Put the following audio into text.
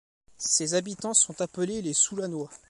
Ses habitants sont appelés les Soulanois.